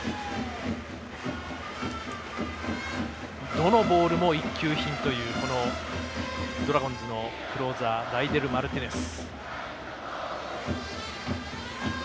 どのボールも一級品というこのドラゴンズのクローザーライデル・マルティネス。